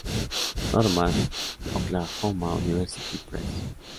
Norman: Oklahoma University Press.